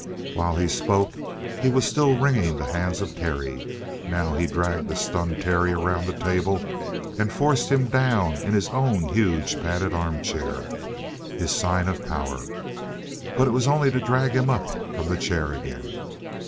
While he spoke, he was still wringing the hands of Terry. Now he dragged the stunned Terry around the table and forced him down in his own huge, padded armchair, his sign of power. But it was only to drag him up from the chair again.